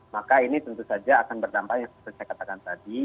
maka ini tentu saja akan berdampak yang seperti saya katakan tadi